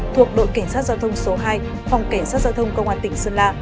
thuộc đội cảnh sát giao thông số hai phòng cảnh sát giao thông công an tỉnh sơn la